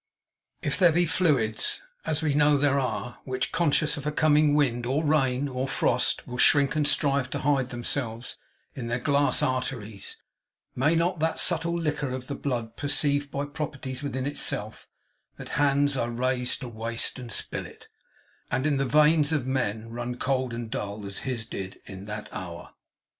If there be fluids, as we know there are, which, conscious of a coming wind, or rain, or frost, will shrink and strive to hide themselves in their glass arteries; may not that subtle liquor of the blood perceive, by properties within itself, that hands are raised to waste and spill it; and in the veins of men run cold and dull as his did, in that hour!